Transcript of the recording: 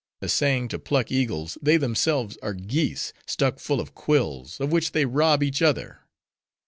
Essaying to pluck eagles, they themselves are geese, stuck full of quills, of which they rob each other.